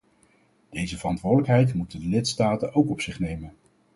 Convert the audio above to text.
Deze verantwoordelijkheid moeten de lidstaten ook op zich nemen.